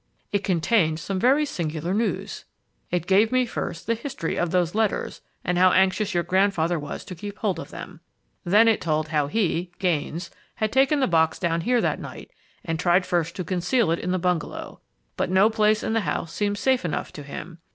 It contained some very singular news. "It gave me first the history of those letters and how anxious your grandfather was to keep hold of them. Then it told how he (Gaines) had taken the box down here that night and tried first to conceal it in the bungalow. But no place in the house seemed safe enough to him.